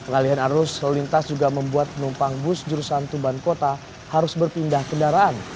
pengalihan arus lalu lintas juga membuat penumpang bus jurusan tuban kota harus berpindah kendaraan